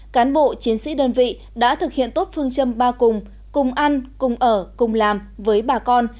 cán bộ chiến sĩ đơn vị đã thực hiện tốt phương châm ba cùng cùng ăn cùng ở cùng làm với bà con